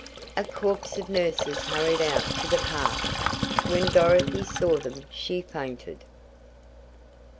A corps of nurses hurried out to the path! When Dorothy saw them she fainted!